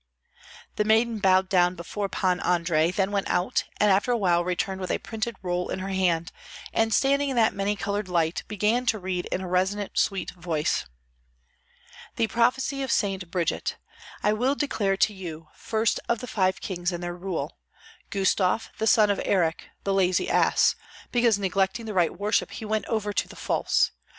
The maiden bowed down before Pan Andrei, then went out, and after a while returned with a printed roll in her hand, and standing in that many colored light, began to read in a resonant and sweet voice, "The prophecy of Saint Bridget, I will declare to you first of the five kings and their rule: Gustav the son of Erick, the lazy ass, because neglecting the right worship he went over to the false.